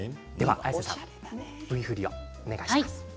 綾瀬さん、Ｖ振りをお願いします。